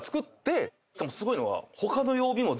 しかもすごいのは。